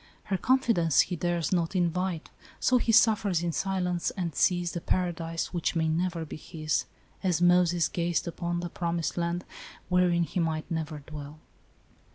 Her confidence he dares not invite, so he suffers in silence, and sees the paradise which may never be his, as Moses gazed upon the promised land, wherein he might never dwell."